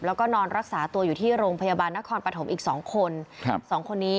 แล้วก็นอนรักษาตัวอยู่ที่โรงพยาบาลนครปฐมอีกสองคน